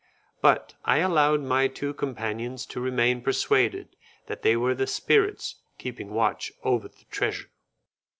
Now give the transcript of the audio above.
But I allowed my two companions to remain persuaded that they were the spirits keeping watch over the treasure.